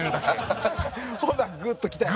ほんならグッときたんやね。